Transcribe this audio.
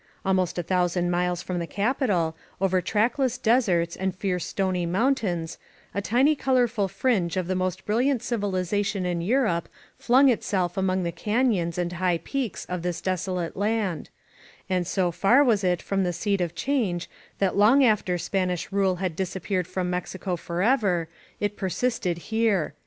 Almost a thousand miles from the Capital, over trackless deserts and fierce stony mountains, a tiny colorful fringe of the most brilliant civilization in Europe flung itself among the canyons and high peaks of this desolate land; and so far was it from the seat of change that long after Spanish rule had disappeared from Mexico forever, it persisted here.